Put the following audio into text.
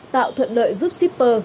tạo thuận lợi giúp shipper